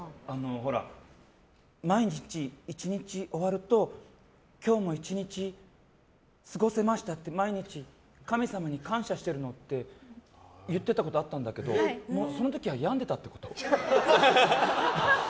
毎日１日終わると今日も１日過ごせましたって毎日神様に感謝してるのって言ってたことあったんだけどその時は病んでたってこと？